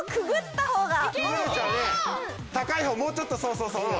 高い方もうちょっとそうそうそうそう。